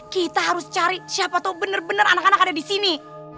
kita harus cari siapa tuh benar benar anak anak ada di sini